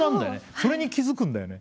それに気付くんだよね。